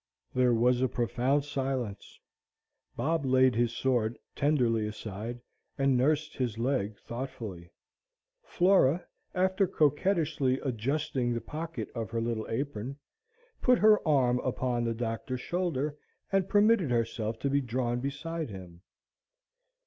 There was a profound silence. Bob laid his sword tenderly aside, and nursed his leg thoughtfully. Flora, after coquettishly adjusting the pocket of her little apron, put her arm upon the Doctor's shoulder, and permitted herself to be drawn beside him.